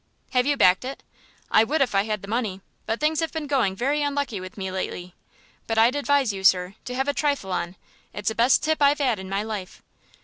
"Have you backed it?" "I would if I had the money, but things have been going very unlucky with me lately. But I'd advise you, sir, to have a trifle on. It's the best tip I 'ave had in my life."